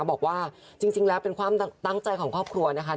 บอกว่าจริงแล้วเป็นความตั้งใจของครอบครัวนะคะ